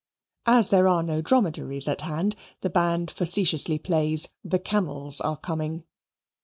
As there are no dromedaries at hand, the band facetiously plays "The Camels are coming."